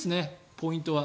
ポイントは。